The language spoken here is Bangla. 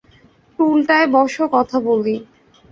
টুলটায় বস, কথা বলি।